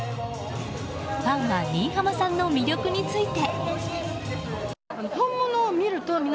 ファンは新浜さんの魅力について。